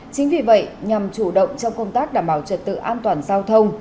chính vì vậy nhằm chủ động trong công tác đảm bảo trật tự an toàn giao thông